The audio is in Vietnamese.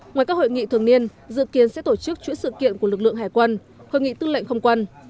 ngoài các hội nghị thường niên dự kiến sẽ tổ chức chuỗi sự kiện của lực lượng hải quân hội nghị tư lệnh không quân